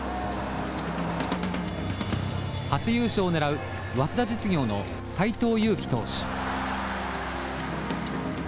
初優勝を狙う早稲田実業の斎藤佑樹投手。